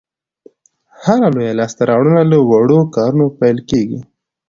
هره لویه لاسته راوړنه له وړو کارونو پیل کېږي.